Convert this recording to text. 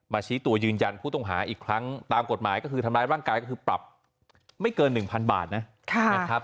ชี้ตัวยืนยันผู้ต้องหาอีกครั้งตามกฎหมายก็คือทำร้ายร่างกายก็คือปรับไม่เกิน๑๐๐บาทนะครับ